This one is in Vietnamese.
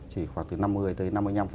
chỉ khoảng từ năm mươi tới năm mươi năm